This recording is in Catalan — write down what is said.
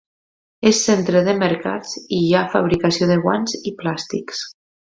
És centre de mercats i hi ha fabricació de guants i plàstics.